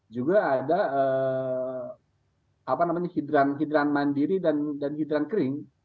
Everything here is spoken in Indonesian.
juga ada hidran hidran mandiri dan hidran kering